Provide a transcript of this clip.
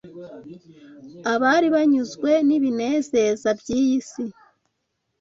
abari banyuzwe n’ibinezeza by’iyi si,